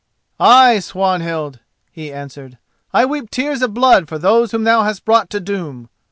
"Ay, Swanhild," he answered, "I weep tears of blood for those whom thou hast brought to doom."